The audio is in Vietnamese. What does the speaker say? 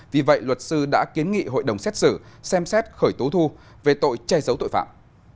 vì vậy luật sư đã kiến nghị hội đồng xét xử xem xét khởi tố thu về tội che giấu tội phạm